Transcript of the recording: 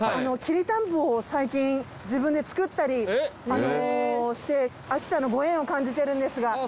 きりたんぽを最近自分で作ったりして秋田のご縁を感じてるんですが。